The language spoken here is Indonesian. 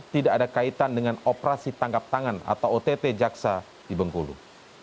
tidak ada kaitan dengan operasi tangkap tangan atau ott jaksa di bengkulu